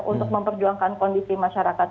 untuk memperjuangkan kondisi masyarakat